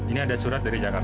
ini ada surat dari jakarta